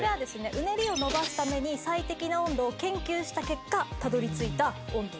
うねりを伸ばすために最適な温度を研究した結果たどり着いた温度。